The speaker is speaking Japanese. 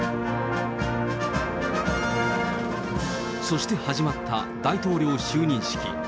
そして始まった大統領就任式。